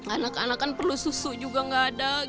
anak anak kan perlu susu juga nggak ada